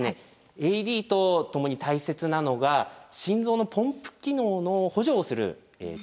ＡＥＤと共に大切なのが心臓のポンプ機能の補助をする胸骨圧迫。